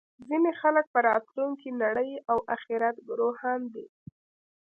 ځینې خلک په راتلونکې نړۍ او اخرت ګروهن دي